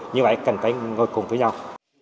như vậy cần phải ngồi cùng với nhau